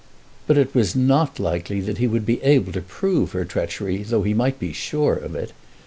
But it was not likely that he would be able to prove her treachery though he might be sure of it.